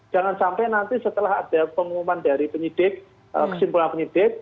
jangan sampai nanti setelah ada pengumuman dari penyidik kesimpulan penyidik